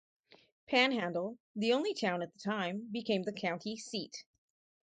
Panhandle, the only town at the time, became the county seat.